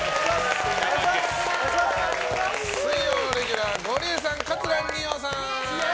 水曜レギュラー、ゴリエさん桂二葉さん！